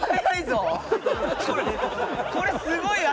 これすごい足！